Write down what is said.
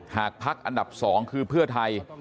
หากภักดิ์อันดับสองคือเพื่อไทย